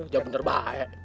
ya bener baik